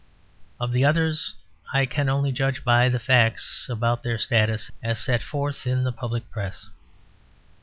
Of the others I can only judge by the facts about their status as set forth in the public Press.